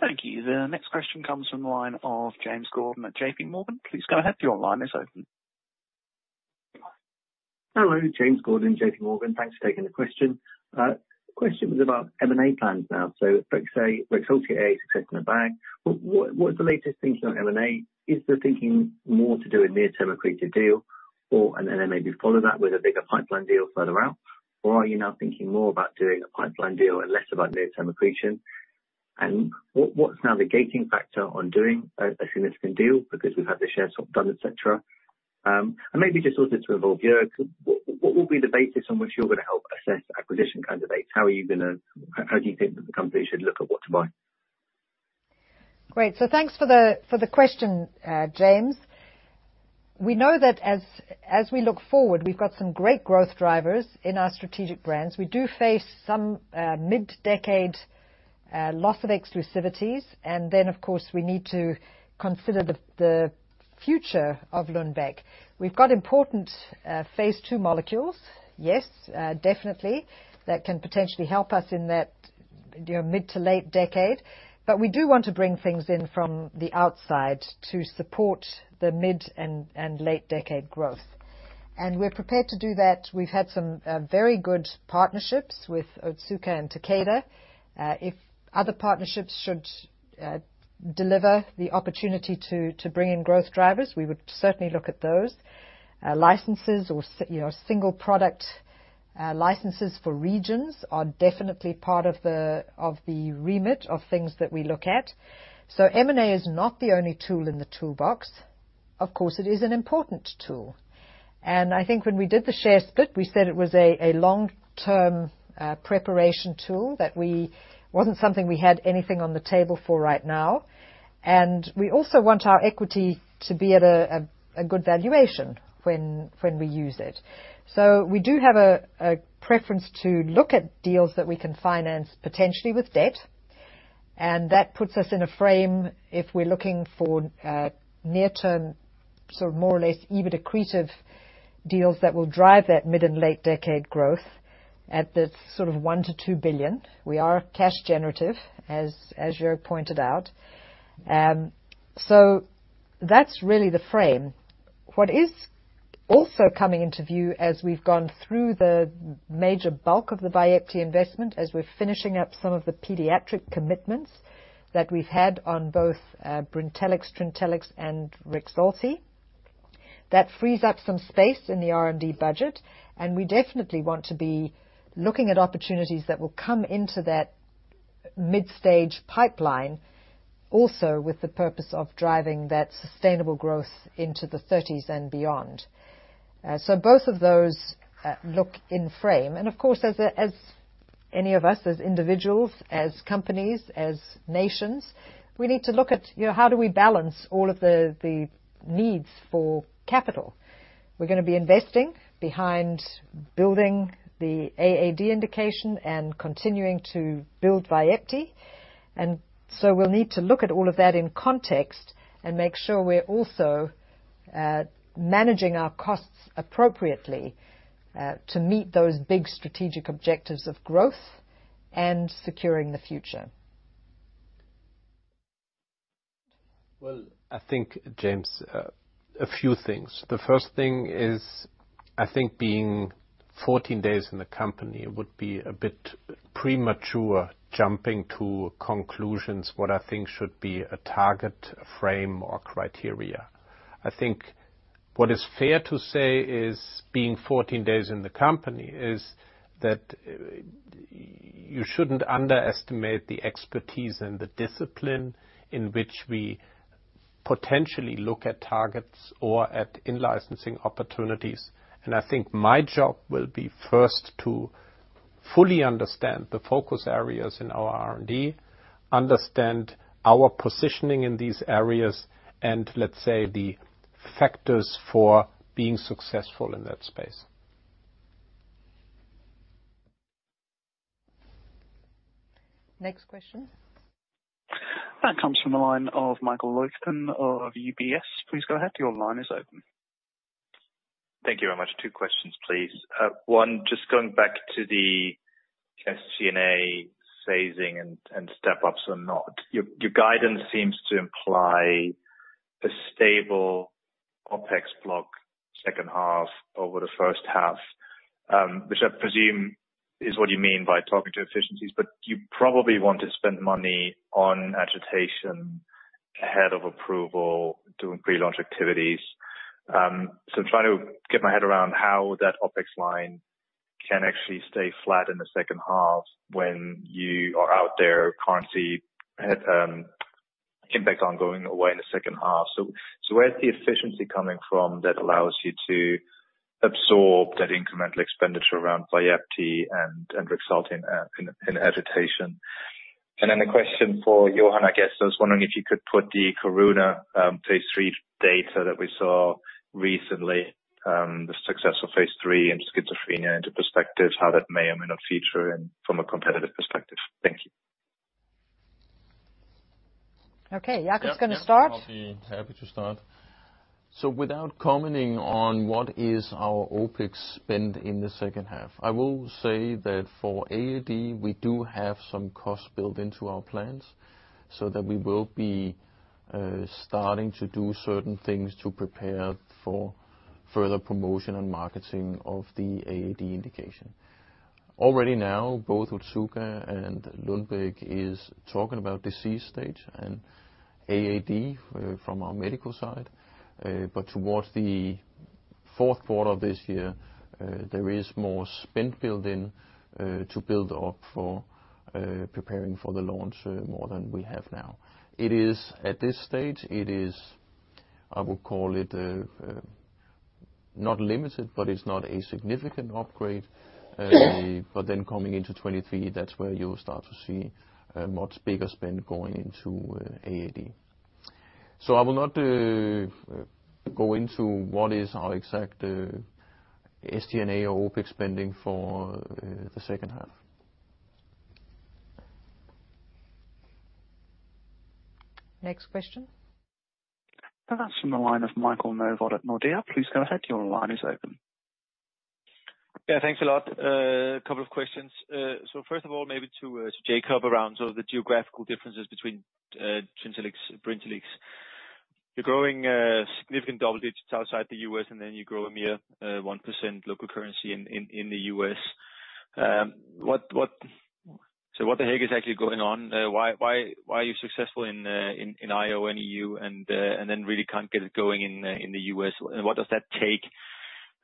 Thank you. The next question comes from the line of James Gordon at JPMorgan. Please go ahead. Your line is open. Hello, James Gordon, JPMorgan. Thanks for taking the question. Question was about M&A plans now. So let's say Rexulti is success in the bag. What's the latest thinking on M&A? Is the thinking more to do a near-term accretive deal or, and then maybe follow that with a bigger pipeline deal further out? Or are you now thinking more about doing a pipeline deal and less about near-term accretion? And what's now the gating factor on doing a significant deal because we've had the share swap done, et cetera? And maybe just also to involve Joerg. What would be the basis on which you're gonna help assess acquisition candidates? How do you think that the company should look at what to buy? Great. Thanks for the question, James. We know that as we look forward, we've got some great growth drivers in our strategic brands. We do face some mid-decade loss of exclusivities, and then, of course, we need to consider the future of Lundbeck. We've got important phase II molecules, yes, definitely, that can potentially help us in that, you know, mid to late decade. We do want to bring things in from the outside to support the mid and late decade growth. We're prepared to do that. We've had some very good partnerships with Otsuka and Takeda. If other partnerships should deliver the opportunity to bring in growth drivers, we would certainly look at those. Licenses or, you know, single product licenses for regions are definitely part of the remit of things that we look at. M&A is not the only tool in the toolbox. Of course, it is an important tool. I think when we did the share split, we said it was a long-term preparation tool that wasn't something we had anything on the table for right now. We also want our equity to be at a good valuation when we use it. We do have a preference to look at deals that we can finance potentially with debt. That puts us in a frame if we're looking for near-term, so more or less EBITDA accretive deals that will drive that mid- and late-decade growth at the sort of 1 billion-2 billion. We are cash generative, as Joerg pointed out. That's really the frame. What is also coming into view as we've gone through the major bulk of the Vyepti investment, as we're finishing up some of the pediatric commitments that we've had on both Brintellix, Trintellix, and Rexulti. That frees up some space in the R&D budget, and we definitely want to be looking at opportunities that will come into that mid-stage pipeline, also with the purpose of driving that sustainable growth into the thirties and beyond. Both of those look in frame. Of course, as any of us, as individuals, as companies, as nations, we need to look at you know, how do we balance all of the the needs for capital. We're gonna be investing behind building the AAD indication and continuing to build Vyepti. We'll need to look at all of that in context and make sure we're also managing our costs appropriately to meet those big strategic objectives of growth and securing the future. Well, I think, James, a few things. The first thing is, I think being 14 days in the company would be a bit premature jumping to conclusions what I think should be a target frame or criteria. I think what is fair to say is being 14 days in the company is that you shouldn't underestimate the expertise and the discipline in which we potentially look at targets or at in-licensing opportunities. I think my job will be first to fully understand the focus areas in our R&D, understand our positioning in these areas, and let's say, the factors for being successful in that space. Next question. That comes from the line of Michael Leuchten of UBS. Please go ahead, your line is open. Thank you very much. Two questions, please. One, just going back to the sNDA phasing and step-ups or not. Your guidance seems to imply a stable OpEx block second half over the first half, which I presume is what you mean by talking about efficiencies. You probably want to spend money on agitation ahead of approval, doing pre-launch activities. I'm trying to get my head around how that OpEx line can actually stay flat in the second half when impact ongoing anyway in the second half. Where's the efficiency coming from that allows you to absorb that incremental expenditure around Vyepti and Rexulti in agitation? A question for Johan, I guess. I was wondering if you could put the Karuna phase III data that we saw recently, the success of phase III in schizophrenia into perspective, how that may or may not feature in from a competitive perspective. Thank you. Okay. Jacob's gonna start. Yeah. I'll be happy to start. Without commenting on what is our OpEx spend in the second half, I will say that for AAD, we do have some costs built into our plans so that we will be starting to do certain things to prepare for further promotion and marketing of the AAD indication. Already now, both Otsuka and Lundbeck is talking about disease stage and AAD from our medical side. Towards the fourth quarter of this year, there is more spend building to build up for preparing for the launch more than we have now. It is, at this stage, I would call it not limited, but it's not a significant upgrade. Coming into 2023, that's where you'll start to see a much bigger spend going into AAD. I will not go into what is our exact SG&A or OpEx spending for the second half. Next question. That's from the line of Michael Novod at Nordea. Please go ahead. Your line is open. Yeah, thanks a lot. A couple of questions. First of all, maybe to Jacob around sort of the geographical differences between Trintellix, Brintellix. You're growing significant double digits outside the U.S., and then you grow a mere 1% local currency in the U.S. What the heck is actually going on? Why are you successful in ex-U.S. and E.U., and then really can't get it going in the U.S.? What does that take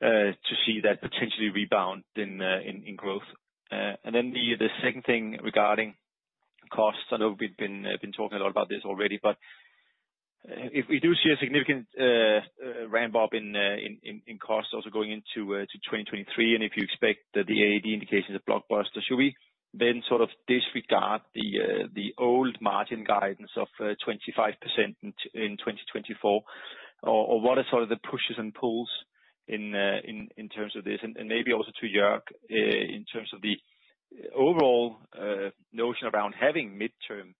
to see that potentially rebound in growth? The second thing regarding costs. I know we've been talking a lot about this already, but if we do see a significant ramp-up in costs also going into 2023, and if you expect the AAD indication is a blockbuster, should we then sort of disregard the old margin guidance of 25% in 2024? Or what are sort of the pushes and pulls In terms of this. Maybe also to Joerg, in terms of the overall notion around having midterm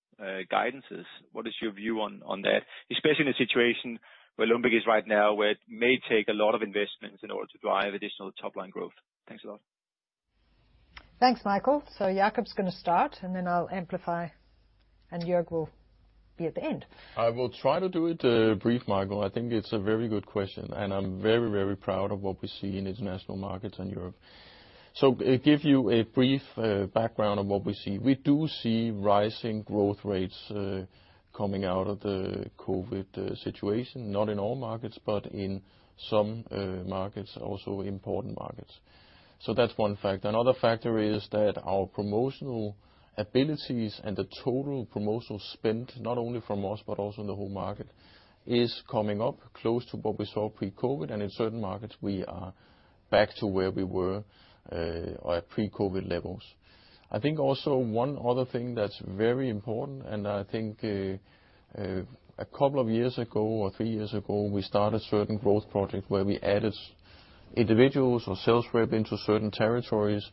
guidances. What is your view on that? Especially in a situation where Lundbeck is right now, where it may take a lot of investments in order to drive additional top-line growth. Thanks a lot. Thanks, Michael. Jacob's gonna start, and then I'll amplify, and Joerg will be at the end. I will try to do it brief, Michael. I think it's a very good question, and I'm very, very proud of what we see in international markets and Europe. Give you a brief background on what we see. We do see rising growth rates coming out of the COVID situation. Not in all markets, but in some markets, also important markets. That's one factor. Another factor is that our promotional abilities and the total promotional spend, not only from us but also in the whole market, is coming up close to what we saw pre-COVID, and in certain markets we are back to where we were or at pre-COVID levels. I think also one other thing that's very important, and I think a couple of years ago, or three years ago, we started a certain growth project where we added individuals or sales rep into certain territories,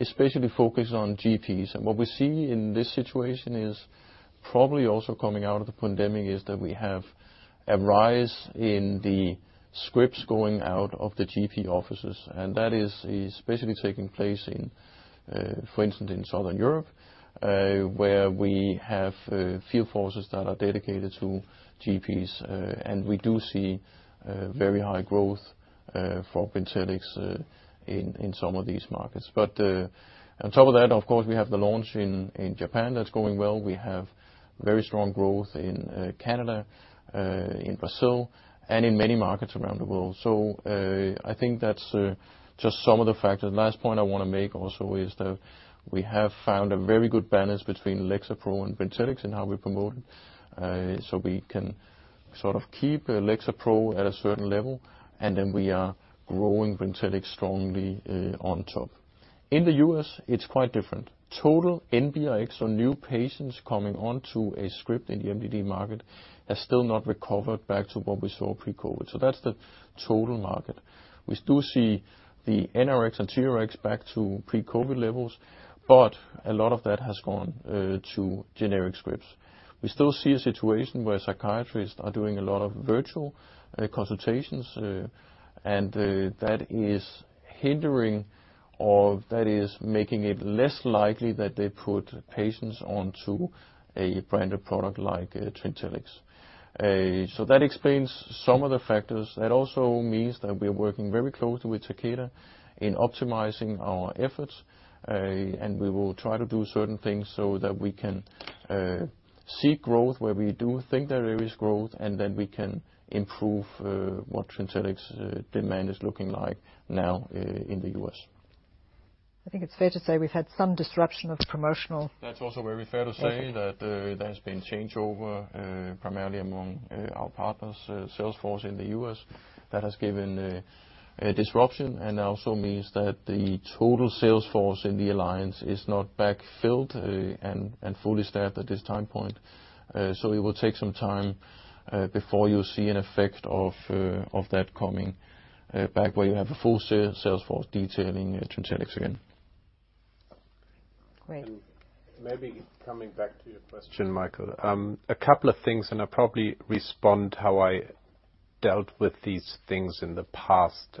especially focused on GPs. What we see in this situation is probably also coming out of the pandemic is that we have a rise in the scripts going out of the GP offices. That is basically taking place in, for instance, Southern Europe, where we have field forces that are dedicated to GPs. We do see very high growth for Brintellix in some of these markets. But on top of that, of course, we have the launch in Japan that's going well. We have very strong growth in Canada, in Brazil, and in many markets around the world. I think that's just some of the factors. Last point I wanna make also is that we have found a very good balance between Lexapro and Brintellix in how we promote it. We can sort of keep Lexapro at a certain level, and then we are growing Brintellix strongly on top. In the U.S., it's quite different. Total NBRX or new patients coming onto a script in the MDD market has still not recovered back to what we saw pre-COVID. That's the total market. We do see the NRX and TRX back to pre-COVID levels, but a lot of that has gone to generic scripts. We still see a situation where psychiatrists are doing a lot of virtual consultations, and that is hindering or that is making it less likely that they put patients onto a branded product like Brintellix. That explains some of the factors. That also means that we're working very closely with Takeda in optimizing our efforts. We will try to do certain things so that we can seek growth where we do think there is growth, and then we can improve what Brintellix demand is looking like now in the U.S. I think it's fair to say we've had some disruption of the promotional. That's also very fair to say that, there has been changeover, primarily among, our partners, sales force in the U.S., that has given a disruption and also means that the total sales force in the alliance is not backfilled, and fully staffed at this time point. It will take some time, before you see an effect of that coming back where you have a full sales force detailing Brintellix again. Great. Maybe coming back to your question, Michael. A couple of things, and I'll probably respond how I dealt with these things in the past.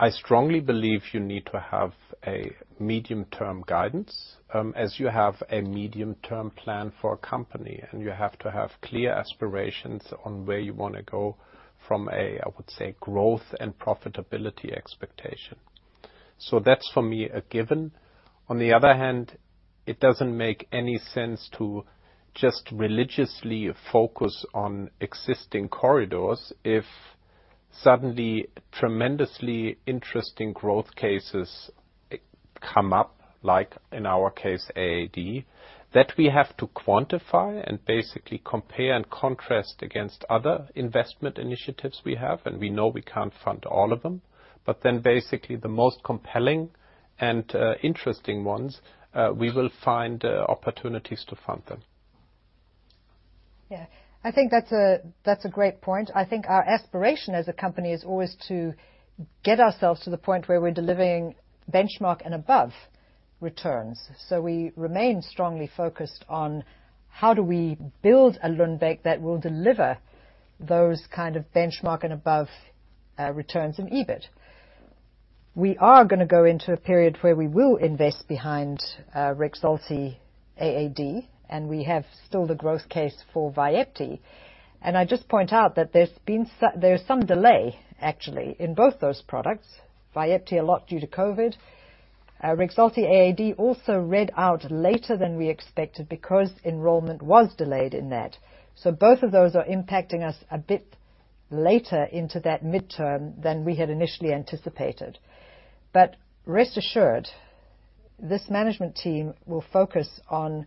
I strongly believe you need to have a medium-term guidance, as you have a medium-term plan for a company, and you have to have clear aspirations on where you wanna go from a, I would say, growth and profitability expectation. So that's for me a given. On the other hand, it doesn't make any sense to just religiously focus on existing corridors if suddenly tremendously interesting growth cases come up, like in our case, AAD, that we have to quantify and basically compare and contrast against other investment initiatives we have. We know we can't fund all of them, but then basically the most compelling and interesting ones, we will find opportunities to fund them. Yeah. I think that's a great point. I think our aspiration as a company is always to get ourselves to the point where we're delivering benchmark and above returns. We remain strongly focused on how do we build a Lundbeck that will deliver those kind of benchmark and above returns in EBITDA. We are gonna go into a period where we will invest behind Rexulti AAD, and we have still the growth case for Vyepti. I'd just point out that there's some delay actually in both those products. Vyepti, a lot due to COVID. Rexulti AAD also read out later than we expected because enrollment was delayed in that. Both of those are impacting us a bit later into that midterm than we had initially anticipated. Rest assured, this management team will focus on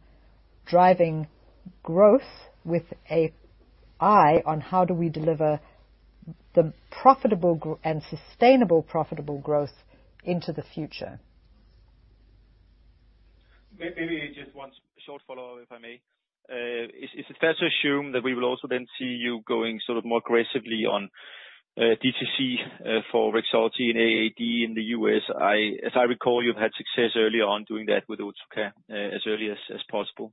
driving growth with an eye on how do we deliver the profitable and sustainable profitable growth into the future. Maybe just one short follow-up, if I may. Is it fair to assume that we will also then see you going sort of more aggressively on DTC for Rexulti and AAD in the U.S.? As I recall, you've had success early on doing that with Otsuka as early as possible.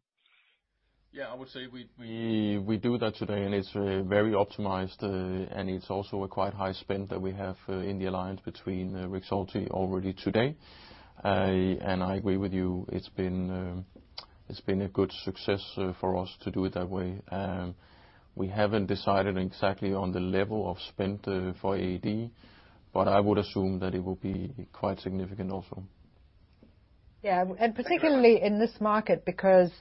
Yeah. I would say we do that today and it's very optimized, and it's also a quite high spend that we have in the alliance between Rexulti already today. I agree with you, it's been a good success for us to do it that way. We haven't decided exactly on the level of spend for AAD, but I would assume that it will be quite significant also. Yeah. Particularly in this market, because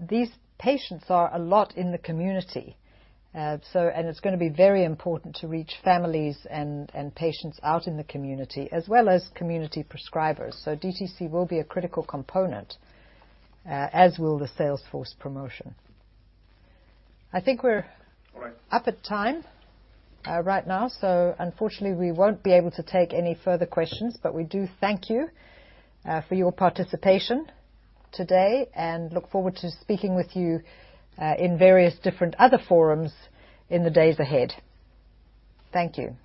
these patients are a lot in the community. It's gonna be very important to reach families and patients out in the community as well as community prescribers. DTC will be a critical component, as will the sales force promotion. I think we're. All right. Our time right now. Unfortunately, we won't be able to take any further questions, but we do thank you for your participation today and look forward to speaking with you in various different other forums in the days ahead. Thank you.